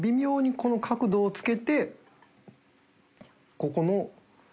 ここの。